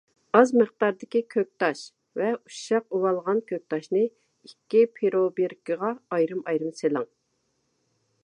ئاز مىقداردىكى كۆكتاش ۋە ئۇششاق ئۇۋالغان كۆكتاشنى ئىككى پروبىركىغا ئايرىم-ئايرىم سېلىڭ.